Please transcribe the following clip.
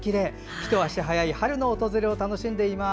一足早い春の訪れを楽しんでいます。